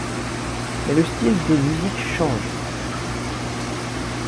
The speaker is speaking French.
Mais le style de musique change.